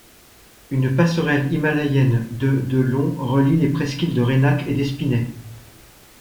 Une passerelle himalayenne de de long relie les presqu'îles de Rénac et d'Espinet.